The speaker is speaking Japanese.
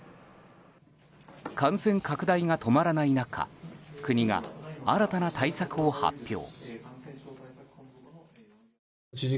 感染拡大が止まらない中国が新たな対策を発表。